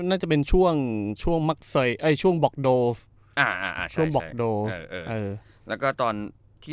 น่าจะเป็นช่วงช่วงเอ่ยช่วงอ่าช่วงอ่าช่วงเอ่อแล้วก็ตอนที่